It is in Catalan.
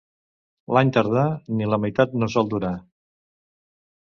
L'any tardà ni la meitat no sol donar.